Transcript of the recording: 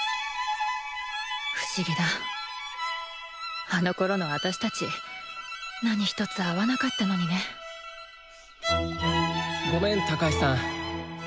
不思議だあのころのあたしたち何一つ合わなかったのにねごめん高橋さん。